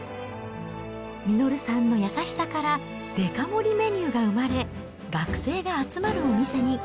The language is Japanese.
実さんの優しさからデカ盛りメニューが生まれ、学生が集まるお店に。